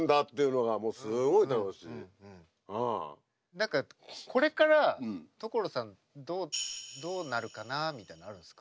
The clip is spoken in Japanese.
何かこれから所さんどうどうなるかなみたいなのあるんですか？